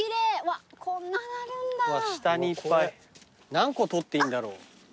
何個採っていいんだろう？